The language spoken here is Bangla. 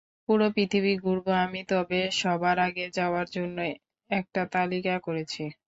পুরো পৃথিবী ঘুরব আমি, তবে সবার আগে যাওয়ার জন্য একটা তালিকা করেছি।